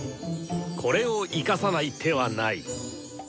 これを生かさない手はない！